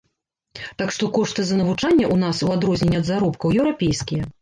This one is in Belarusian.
Так што кошты за навучанне ў нас, у адрозненне ад заробкаў, еўрапейскія.